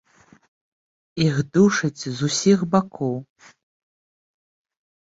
Іх душаць з усіх бакоў.